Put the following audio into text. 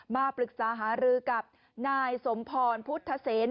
มาปรึกษาหารือกับนายสมพรพุทธเซน